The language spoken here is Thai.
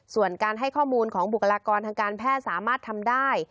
ส่วนการให้ข้อมูลของบุคลากรทางการแพทย์สามารถทำได้